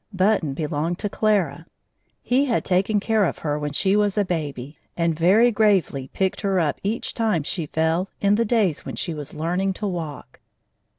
Button belonged to Clara. He had taken care of her when she was a baby, and very gravely picked her up each time she fell in the days when she was learning to walk.